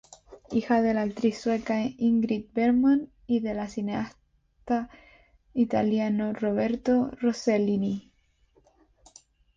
Hija de la actriz sueca Ingrid Bergman y del cineasta italiano Roberto Rossellini.